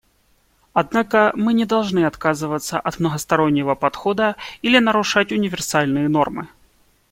Однако мы не должны отказываться от многостороннего подхода или нарушать универсальные нормы.